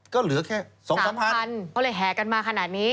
ก็เหลือแค่๒๓พันก็เลยแห่กันมาขนาดนี้